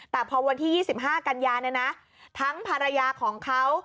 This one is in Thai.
แต่พอวันที่๒๕กันยาเนี่ยนะทั้งภรรยาของเขา